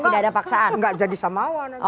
kalau enggak enggak jadi samawa nanti